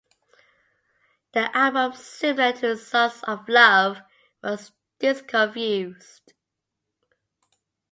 The album, similar to "Songs of Love", was disco-infused.